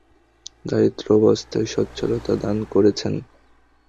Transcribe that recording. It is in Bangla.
দারিদ্রাবস্থায় স্বচ্ছলতা দান করেছেন।